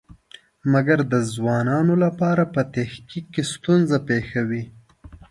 مګر د ځوانانو لپاره په تحقیق کې ستونزه پېښوي.